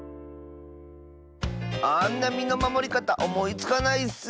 あんなみのまもりかたおもいつかないッス！